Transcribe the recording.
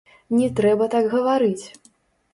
Не трэба так гаварыць!